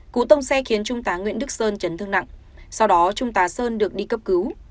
cú tông xe khiến trung tá nguyễn đức sơn chấn thương nặng sau đó trung tá sơn được đi cấp cứu